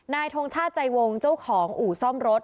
ทงชาติใจวงเจ้าของอู่ซ่อมรถ